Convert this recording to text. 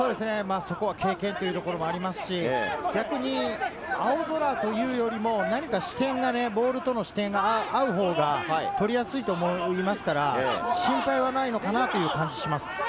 そこは経験もありますし、逆に青空というよりも、何かボールとの視点が合う方が取りやすいと思いますから、心配はないのかなという感じがします。